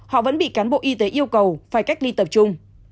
họ vẫn bị cán bộ y tế yêu cầu phải cách ly tập trung